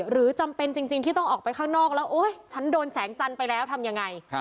จำเป็นจริงที่ต้องออกไปข้างนอกแล้วโอ๊ยฉันโดนแสงจันทร์ไปแล้วทำยังไง